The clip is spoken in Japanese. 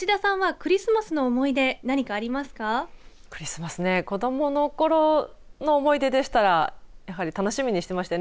クリスマスね、子どもの頃の思い出でしたらやはり楽しみにしてましたね